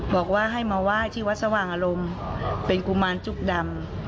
บอกว่าให้มาไหว้ที่วัดสว่างอารมณ์เป็นกุมารจุกดำ